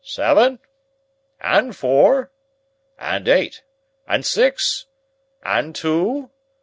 "Seven?" "And four?" "And eight?" "And six?" "And two?"